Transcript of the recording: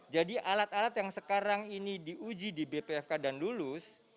jadi alat alat yang sekarang ini diuji di bpfk dan lulus